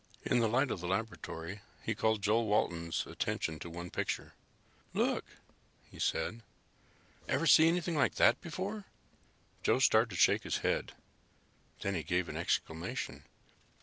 In the light of the laboratory he called Joe Walton's attention to one picture. "Look," he said. "Ever see anything like that before?" Joe started to shake his head. Then he gave an exclamation.